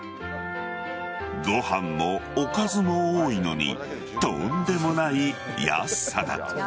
ご飯もおかずも多いのにとんでもない安さだ。